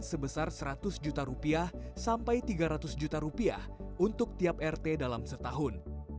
sebesar seratus juta rupiah sampai tiga ratus juta rupiah untuk tiap rt dalam setahun